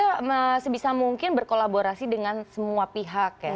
sejauh ini kita sebisa mungkin berkolaborasi dengan semua pihak ya